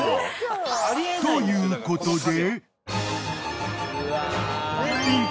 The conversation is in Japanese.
［ということで］